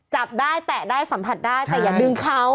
จับได้แตะได้สัมผัสได้แต่อย่าดึงเขา